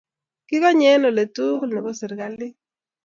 Kikonye eng' ole tugul nebo serikalit.